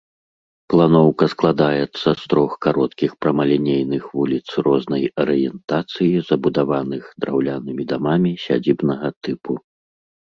Планоўка складаецца з трох кароткіх прамалінейных вуліц рознай арыентацыі, забудаваных драўлянымі дамамі сядзібнага тыпу.